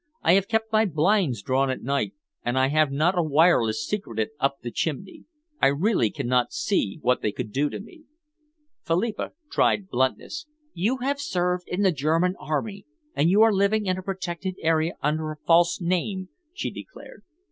I have kept my blinds drawn at night, and I have not a wireless secreted up the chimney. I really cannot see what they could do to me." Philippa tried bluntness. "You have served in the German army, and you are living in a protected area under a false name," she declared.